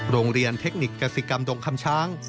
โรงเรียนเทคนิคกษิกรรมดงคำช้าง